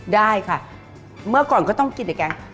ได้ค่ะเมื่อก่อนก็ต้องกินอะแกง